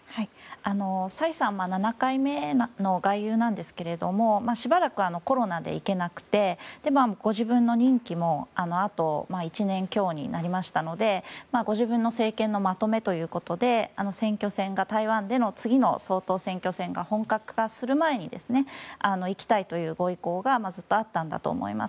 蔡さんは７回目の外遊なんですけれどしばらくコロナで行けなくてご自分の任期もあと１年強になりましたのでご自分の政権のまとめということで台湾での次の総統選挙戦が本格化する前に行きたいというご意向がずっとあったんだと思います。